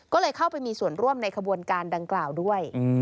ก็เลยเข้าไปมีส่วนร่วมในขบวนการดังกล่าวด้วย